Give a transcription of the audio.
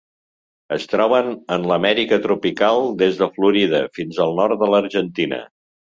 Es troben en l'Amèrica tropical des de Florida, fins al nord de l'Argentina.